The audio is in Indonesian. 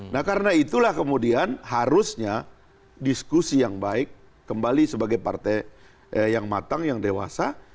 nah karena itulah kemudian harusnya diskusi yang baik kembali sebagai partai yang matang yang dewasa